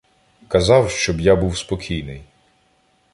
Казав, щоб я був спокійний.